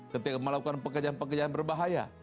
ketika melakukan pekerjaan pekerjaan berbahaya